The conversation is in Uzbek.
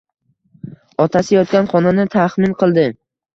Otasi yotgan xonani taxmin qildi